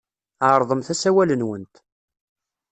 Ɛerḍemt asawal-nwent.